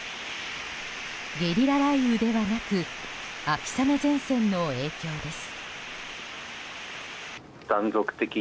ゲリラ雷雨ではなく秋雨前線の影響です。